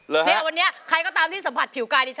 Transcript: ร้องได้ให้ร้าน